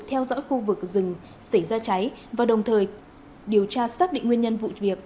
theo dõi khu vực rừng xảy ra cháy và đồng thời điều tra xác định nguyên nhân vụ việc